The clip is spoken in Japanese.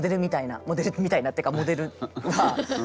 モデルみたいなっていうかモデルが。